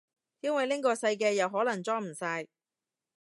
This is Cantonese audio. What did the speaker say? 因為拎個細嘅又可能裝唔晒